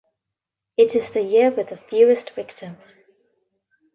It is the year with the fewest victims.